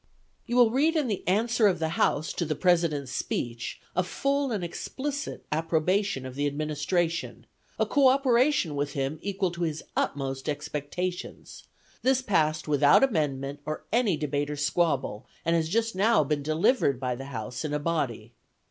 "You will read in the answer of the House to the President's Speech a full and explicit approbation of the Administration; a coöperation with him equal to his utmost expectations; this passed without an amendment or any debate or squabble, and has just now been delivered by the House in a body.